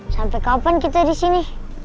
sampai kapan kita di sini